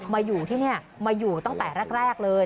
มาอยู่ที่นี่มาอยู่ตั้งแต่แรกเลย